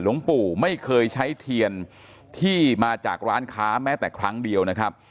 หลวงปู่ไม่เคยใช้เทียนที่มาจากร้านค้าแม้แต่ครั้งเดียวนะครับ